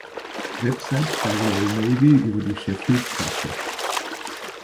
Website der Royal Navy über die Sheffield-Klasse